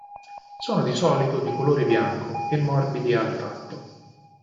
Sono di solito di colore bianco e morbidi al tatto.